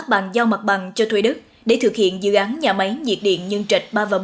các bàn giao mặt bằng cho thuê đức để thực hiện dự án nhà máy nhiệt điện nhân chạch ba bốn